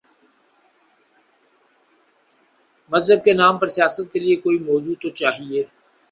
مذہب کے نام پر سیاست کے لیے کوئی موضوع تو چاہیے۔